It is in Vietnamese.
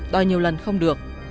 đòi nhiều lần không được